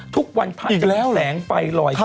ทุกวันภาคจะมีแหลงไฟลอยขึ้น